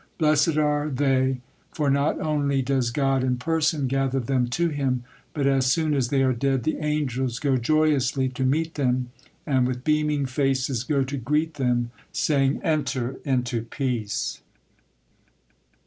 Blessed are thy, for not only does God in person gather them to Him, but as soon as they are dead, the angels go joyously to meet them and with beaming faces go to greet them, saying, "Enter into peace."